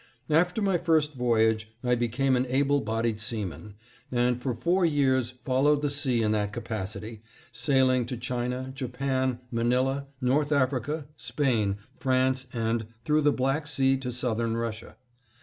After my first voyage I became an able bodied seaman, and for four years followed the sea in that capacity, sailing to China, Japan, Manilla, North Africa, Spain, France, and through the Black Sea to Southern Russia.